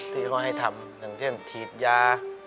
ที่เขาให้ทำอย่างเช่นฉีดยา